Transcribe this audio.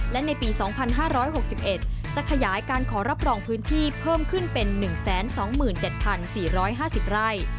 และในปีสองพันห้าร้อยหกสิบเอ็ดจะขยายการขอรับรองพื้นที่เพิ่มขึ้นเป็นหนึ่งแสนสองหมื่นเจ็ดพันสี่ร้อยห้าสิบไร่